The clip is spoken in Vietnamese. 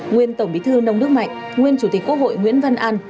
nguyên tổng bí thư nông đức mạnh nguyên chủ tịch quốc hội nguyễn văn an